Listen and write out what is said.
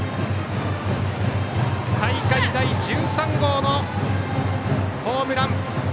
大会第１３号のホームラン。